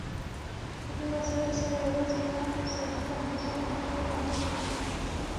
په دې وسایلو سره یوازې یوه ثابته اندازه کنټرول یا اندازه کېږي.